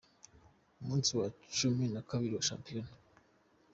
Umunsi wa cumi nakabiri wa Shampiyona